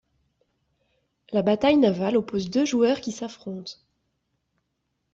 La bataille navale oppose deux joueurs qui s'affrontent.